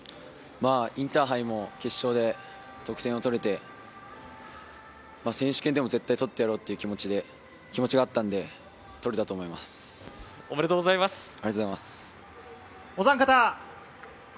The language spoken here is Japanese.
インターハイも決勝で得点をとれて、選手権でも絶対取ってやろうという気持ちがあったので取れたと思おめでとうございます。